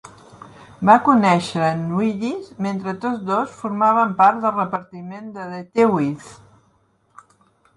Va conèixer en Willis mentre tots dos formaven part del repartiment de "The Wiz".